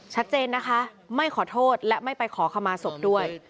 ชัดเจนนะคะไม่ขอโทษและไม่ไปขอขมาศพด้วย